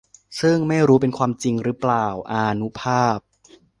ซึ่งไม่รู้เป็นความจริงรึเปล่า อานุภาพ